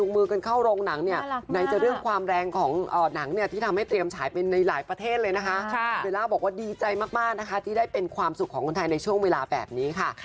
เวลาบอกว่าดีใจมากนะคะที่ได้เป็นความสุขของคนไทยในช่วงเวลาแบบนี้ค่ะ